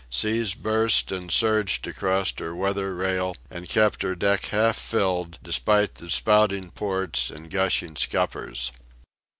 Seas burst and surged across her weather rail and kept her deck half filled, despite the spouting ports and gushing scuppers.